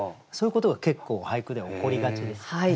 そういうことが結構俳句では起こりがちですよね。